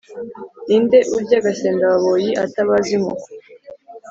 ni nde urya agasendababoyi atabaze inkoko?